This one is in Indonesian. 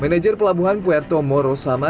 manager pelabuhan puerto morosama